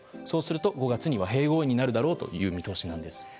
そうすると５月に和平合意になるだろうという見通しなんです。